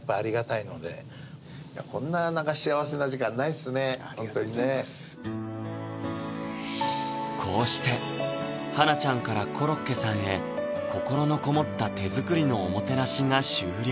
うんあのやっぱホントにねこうして花奈ちゃんからコロッケさんへ心のこもった手作りのおもてなしが終了